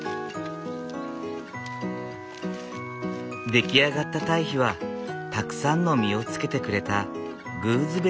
出来上がった堆肥はたくさんの実をつけてくれたグーズベリーの木へ。